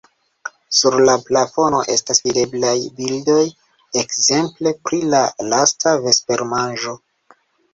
Sur la plafono estas videblaj bildoj ekzemple pri La lasta vespermanĝo.